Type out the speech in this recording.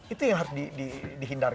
itu yang harus dihindari